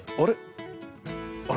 あれ？